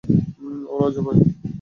ও লজ্জা পায়।